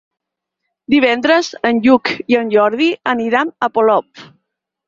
Divendres en Lluc i en Jordi aniran a Polop.